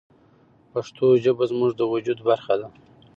پښتو ژبه زموږ د وجود برخه ده.